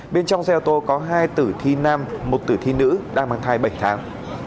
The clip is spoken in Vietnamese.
bên trong xe ô tô có hai tử thi nam một tử thi nữ đang mang thai bảy tháng